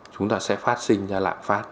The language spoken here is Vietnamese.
chúng ta sẽ phát sinh ra lạng phát